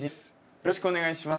よろしくお願いします。